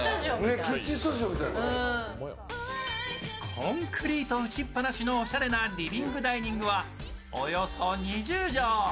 コンクリート打ちっぱなしのおしゃれなリビングダイニングはおよそ２０畳。